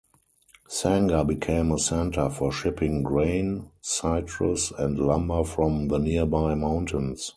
Sanger became a center for shipping grain, citrus and lumber from the nearby mountains.